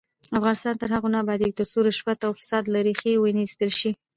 افغانستان تر هغو نه ابادیږي، ترڅو رشوت او فساد له ریښې ونه ایستل شي.